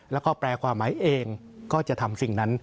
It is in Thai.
แล้วก็แปลความหมายเองก็จะทำสิ่งนั้น